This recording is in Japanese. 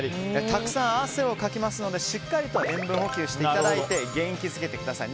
たくさん汗をかきますのでしっかりと塩分補給していただいて元気づけてください。